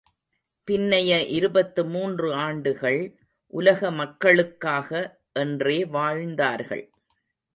பின்னைய இருபத்து மூன்று ஆண்டுகள், உலக மக்களுக்காக என்றே வாழ்ந்தார்கள்.